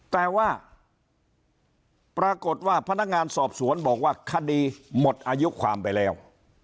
แต่ว่าปรากฏว่าพนักงานสอบสวนบอกว่าคดีหมดอายุความไปแล้ว